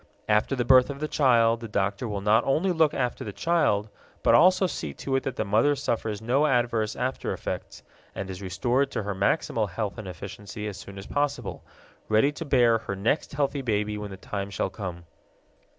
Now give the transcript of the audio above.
After the birth of the child the doctor will not only look after the child but also see to it that the mother suffers no adverse after effects and is restored to her maximal health and efficiency as soon as possible, ready to bear her next healthy baby when the time shall come.